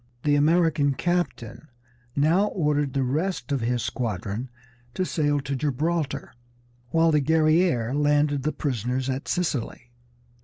The American captain now ordered the rest of his squadron to sail to Gibraltar, while the Guerrière landed the prisoners at Sicily.